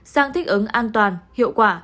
sang thích ứng an toàn hiệu quả